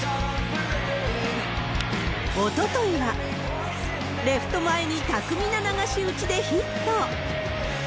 おとといは、レフト前に巧みな流し打ちでヒット。